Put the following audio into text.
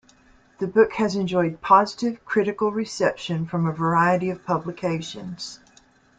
The book has enjoyed positive critical reception from a variety of publications.